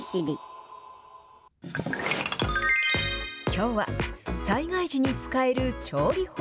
きょうは、災害時に使える調理法。